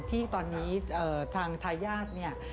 ที่ตอนนี้ทางทายาทเนี่ย